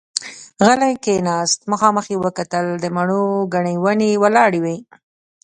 غلی کېناست، مخامخ يې وکتل، د مڼو ګنې ونې ولاړې وې.